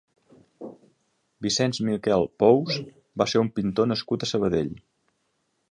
Vicenç Miquel Pous va ser un pintor nascut a Sabadell.